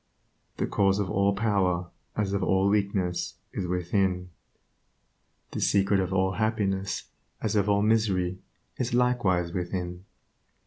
The cause of all power, as of all weakness, is within; the secret of all happiness as of all misery is likewise within.